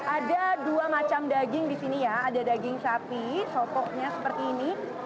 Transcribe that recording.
ada dua macam daging di sini ya ada daging sapi sokoknya seperti ini